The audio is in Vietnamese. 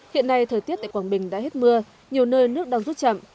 hiện nay thời tiết tại quảng bình đã hết mưa nhiều nơi nước đang rút chậm